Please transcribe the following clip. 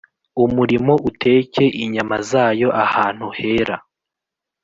Umurimo uteke inyama zayo ahantu hera